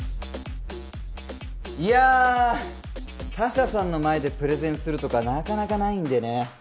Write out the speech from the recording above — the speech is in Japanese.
いや他社さんの前でプレゼンするとかなかなかないんでね。